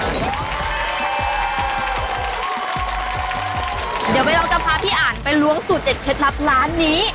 เดี๋ยวใบเราจะพาพี่อันไปล้วงสูตรเด็ดเคล็ดลับร้านนี้